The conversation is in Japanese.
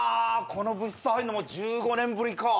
この部室入んのも１５年ぶりか。